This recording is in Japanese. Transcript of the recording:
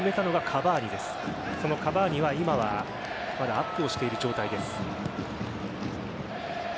カヴァーニは、今はまだアップをしている状態です。